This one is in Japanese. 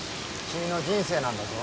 君の人生なんだぞ？